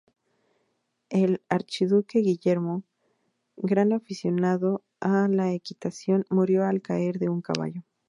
El archiduque Guillermo, gran aficionado a la equitación, murió al caer de un caballo.